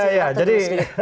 waktu terus dulu jadi